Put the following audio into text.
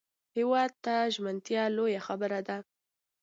هېواد ته ژمنتیا لویه خبره ده